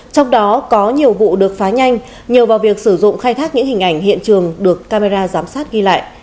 trong đó có nhiều vụ được phá nhanh nhờ vào việc sử dụng khai thác những hình ảnh hiện trường được camera giám sát ghi lại